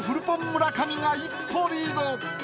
村上が一歩リード。